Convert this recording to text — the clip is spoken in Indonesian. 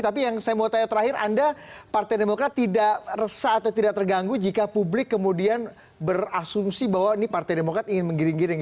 tapi yang saya mau tanya terakhir anda partai demokrat tidak resah atau tidak terganggu jika publik kemudian berasumsi bahwa ini partai demokrat ingin menggiring giring